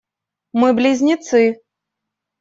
Мы близнецы.